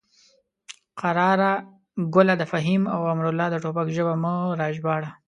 قراره ګله د فهیم او امرالله د ټوپک ژبه مه راژباړه.